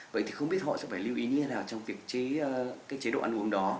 vậy thì không biết họ sẽ phải lưu ý như thế nào trong việc chế độ ăn uống đó